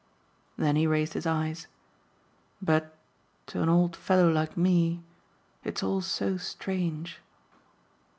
Then he raised his eyes. "But to an old fellow like me it's all so strange."